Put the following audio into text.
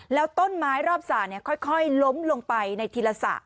แล้วต้นไม้รอบสระค่อยล้มลงไปในทีละสระ